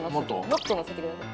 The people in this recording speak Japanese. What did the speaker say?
もっと載せてください。